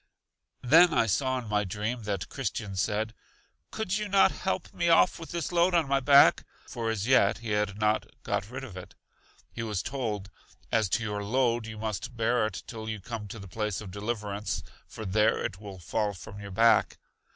Then I saw in my dream that Christian said: Could you not help me off with this load on my back? for as yet he had not got rid of it. He was told: As to your load, you must bear it till you come to the place of Deliverance, for there it will fall from your back.